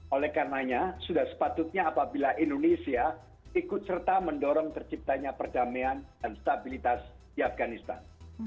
oleh karenanya sudah sepatutnya apabila indonesia ikut serta mendorong terciptanya perdamaian dan stabilitas di afganistan